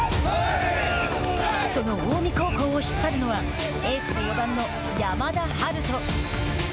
その近江高校を引っ張るのはエースで４番の山田陽翔。